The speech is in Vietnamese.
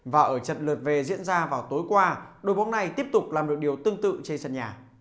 và ở trận lượt về diễn ra vào tối qua đội bóng này tiếp tục làm được điều tương tự trên sân nhà